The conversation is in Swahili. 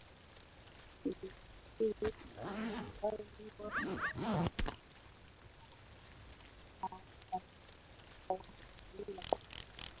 Kinjekitile alilaghai watu kwamba yeye anafahamu sayansi ya kijadi